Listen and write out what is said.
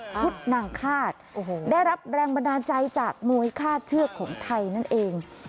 นางฆาตได้รับแรงบันดาลใจจากมวยฆ่าเชือกของไทยนั่นเอง